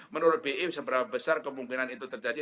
menurut bi seberapa besar kemungkinan itu terjadi